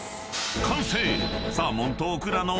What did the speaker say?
［完成！］